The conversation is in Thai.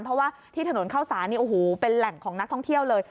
เพราะว่าที่ถนนเข้าสารนี่โอ้โหเป็นแหล่งของนักท่องเที่ยวเลย